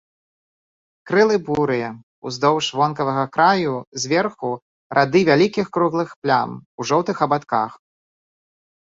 Крылы бурыя, уздоўж вонкавага краю зверху рады вялікіх круглых плям у жоўтых абадках.